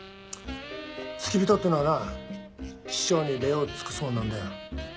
付き人っていうのはな師匠に礼を尽くすもんなんだよ。